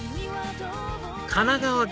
神奈川県